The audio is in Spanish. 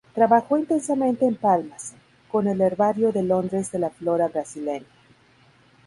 Trabajó intensamente en "palmas", con el Herbario de Londres de la flora brasileña.